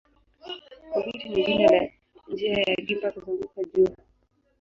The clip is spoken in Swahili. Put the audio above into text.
Obiti ni jina la njia ya gimba kuzunguka jua.